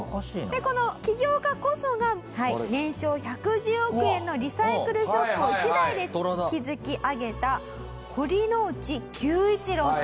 でこの起業家こそが年商１１０億円のリサイクルショップを一代で築き上げた堀之内九一郎さん。